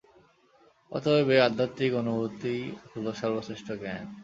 অতএব এই আধ্যাত্মিক অনুভূতিই হইল সর্বশ্রেষ্ঠ জ্ঞান।